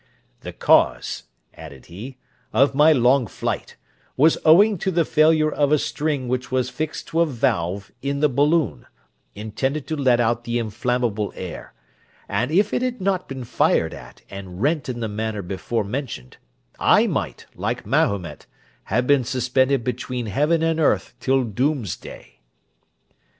"The cause," added he, "of my long flight, was owing to the failure of a string which was fixed to a valve in the balloon, intended to let out the inflammable air; and if it had not been fired at, and rent in the manner before mentioned, I might, like Mahomet, have been suspended between heaven and earth till doomsday."